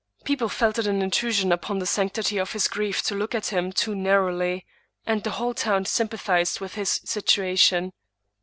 People felt it an intrusion upon the sanctity of his grief to look at him too narrowly, and the whole town sym pathized with his situation.